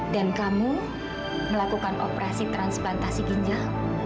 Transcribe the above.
dan kamu melakukan operasi transplantasi ginjal